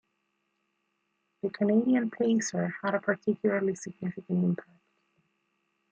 The Canadian Pacer had a particularly significant impact.